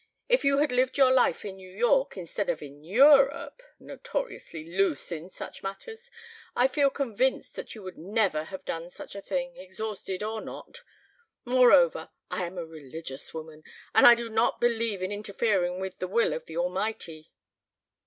If you had lived your life in New York instead of in Europe notoriously loose in such matters I feel convinced that you would never have done such a thing exhausted or not. Moreover, I am a religious woman and I do not believe in interfering with the will of the Almighty."